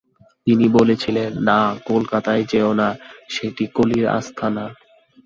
তিনি বলেছিলেন, “না, কলকাতায় যেও না, সেটি কলির আস্থানা।